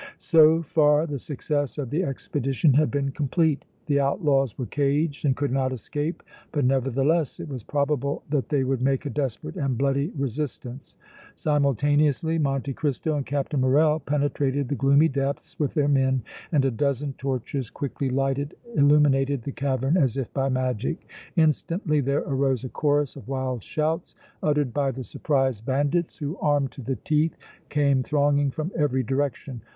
So far the success of the expedition had been complete. The outlaws were caged and could not escape, but, nevertheless, it was probable that they would make a desperate and bloody resistance. Simultaneously Monte Cristo and Captain Morrel penetrated the gloomy depths with their men and a dozen torches quickly lighted illuminated the cavern as if by magic. Instantly there arose a chorus of wild shouts uttered by the surprised bandits, who, armed to the teeth, came thronging from every direction.